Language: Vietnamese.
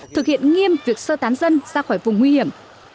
thực hiện nghiêm việc sơ tán dân ra khỏi vùng nguy hiểm